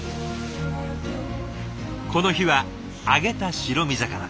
この日は揚げた白身魚。